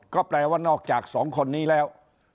ก็แปลว่านอกจากสองคนนี้แล้ว